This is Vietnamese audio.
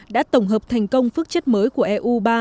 đã tổng hợp thành công phước chất mới của eu ba